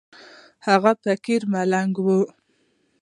هغه يو فقير ملنگ و.